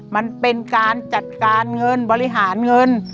มันเป็นการจัดการเงินบริหารเงิน